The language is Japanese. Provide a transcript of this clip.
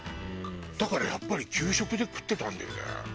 だからやっぱり給食で食ってたんだよね。